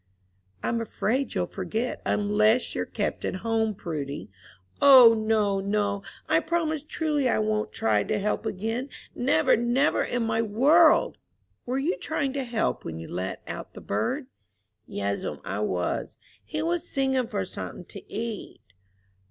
"I'm afraid you'll forget, unless you're kept at home, Prudy." "O, no, no; I'll promise truly I won't try to help again, never, never in my world." "Were you trying to help when you let out the bird?" "Yes'm, I was. He was singin' for somethin' to eat."